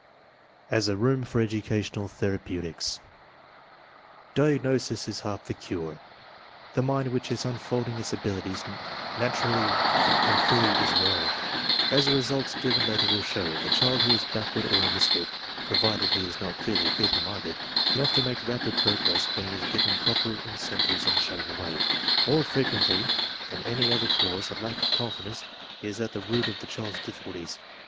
AS A ROOM FOR EDUCATIONAL THERAPEUTICS "Diagnosis is half the cure." The mind which is un folding its abilities naturally and fully is rare. As the results given later will show, the child who is backward or a misfit, provided he is not clearly feeble minded, can often make rapid progress when he is given proper in centives and shown the way. More frequently than any other cause, a lack of confidence is at the root of the child's difficulties.